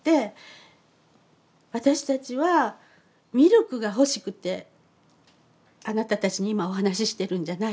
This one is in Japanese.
私たちはミルクが欲しくてあなたたちに今お話してるんじゃないです。